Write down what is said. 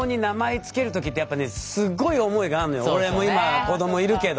俺も今子どもいるけど。